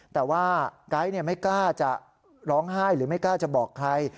แต่ว่าไก๊ไม่กล้าจะร้องไห้หรือไม่กล้าจะบอกใคร